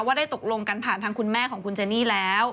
ได้ตกลงกันผ่านทางคุณแม่ของคุณเจนี่แล้ว